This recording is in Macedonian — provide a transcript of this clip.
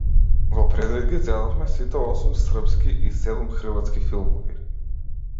Во предвид ги зедовме сите осум српски и седум хрватски филмови.